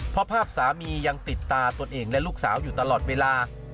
เพราะภาพสามียังติดตาตนเองและลูกสาวอยู่ตลอดเวลา